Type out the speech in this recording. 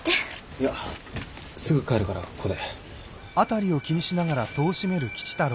いやすぐ帰るからここで。